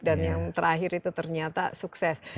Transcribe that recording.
dan yang terakhir itu ternyata sukses